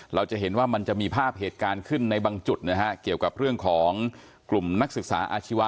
เราจะเห็นว่ามันจะมีภาพเหตุการณ์ขึ้นในบางจุดนะฮะเกี่ยวกับเรื่องของกลุ่มนักศึกษาอาชีวะ